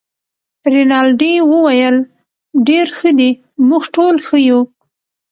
رینالډي وویل: ډیر ښه دي، موږ ټوله ښه یو.